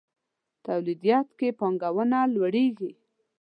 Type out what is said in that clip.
توليديت کې پانګونه لوړېږي.